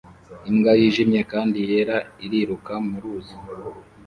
Imbwa yijimye kandi yera iriruka mu ruzi